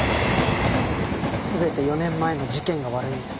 全て４年前の事件が悪いんです。